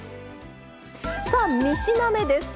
さあ３品目です。